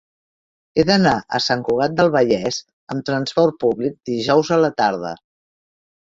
He d'anar a Sant Cugat del Vallès amb trasport públic dijous a la tarda.